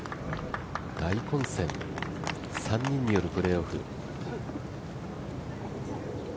大混戦、３人によるプレーオフ。